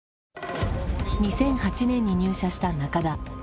２００８年に入社した仲田。